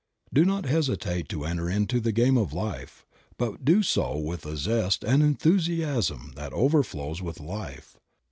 Do not hesitate to enter into the game of life, but do so with a zest and an enthusiasm that over flows with life.